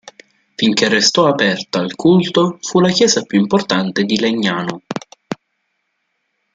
Finché restò aperta al culto, fu la chiesa più importante di Legnano.